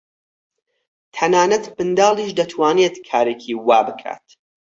تەنانەت منداڵیش دەتوانێت کارێکی وا بکات.